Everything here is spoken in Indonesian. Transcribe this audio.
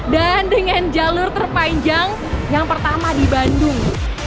dan dengan jalur terpanjang yang pertama di bandung